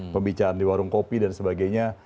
pembicaraan di warung kopi dan sebagainya